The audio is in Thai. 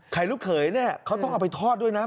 ลูกเขยเนี่ยเขาต้องเอาไปทอดด้วยนะ